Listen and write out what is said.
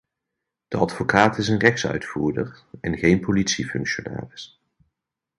De advocaat is een rechtsuitvoerder en geen politiefunctionaris.